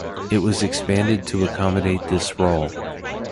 It was expanded to accommodate this role.